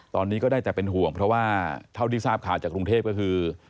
ตอนนี้ก็ได้แต่เป็นห่วงเพราะว่าเท่าที่ทราบข่าวจากกรุงเทพก็คือ